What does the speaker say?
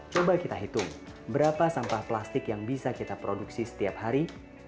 coba kita hitung berapa sampah plastik yang bisa kita produksi setiap hari